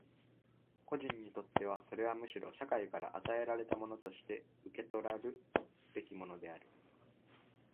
個人にとってはそれはむしろ社会から与えられたものとして受取らるべきものである。